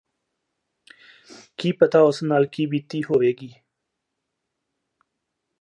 ਕੀ ਪਤਾ ਉਸ ਨਾਲ ਕੀ ਬੀਤੀ ਹੋਵੇਗੀ